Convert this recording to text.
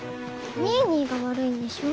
ニーニーが悪いんでしょ。